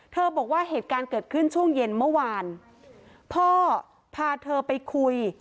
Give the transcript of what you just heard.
บอกว่าเหตุการณ์เกิดขึ้นช่วงเย็นเมื่อวานพ่อพาเธอไปคุย